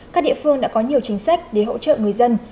các địa phương đã có nhiều chính sách để hỗ trợ người dân